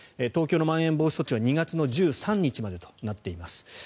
東京のまん延防止措置は２月１３日までとなっています。